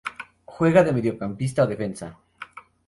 Juega de mediocampista o defensa.